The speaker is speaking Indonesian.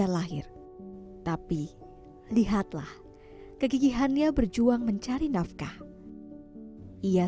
maka indera perabahan ini akan menjadi kekuatan